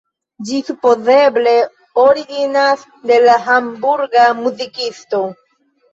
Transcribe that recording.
Ĝi supozeble originas de la Hamburga muzikisto.